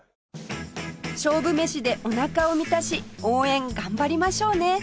勝負メシでおなかを満たし応援頑張りましょうね